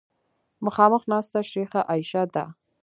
مخامخ ناسته شیخه عایشه ده.